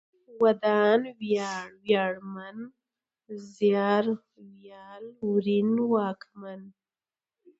ودان ، وياړ ، وياړمن ، زيار، ويال ، ورين ، واکمن